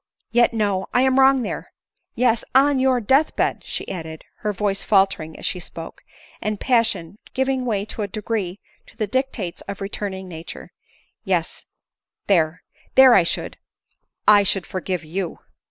Yet, no ; I am wrong there — Yes; on your death bed," she added, her voice faltering as she spoke, and passion giving way in a degree to the .dictates of returning nature —" yes, there; there I should — I should forgive you."